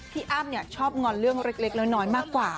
พี่อ้ามเนี๊ยะชอบงรเรื่องเล็กเลยน้อยมากกว่า